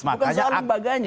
bukan seorang lembagaan